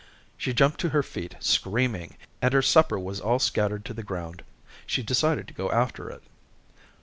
She jumped to her feet screaming, and her supper was all scattered to the ground. She decided to go after it.